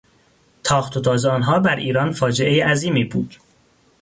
تاخت و تاز آنها بر ایران فاجعهی عظیمی بود.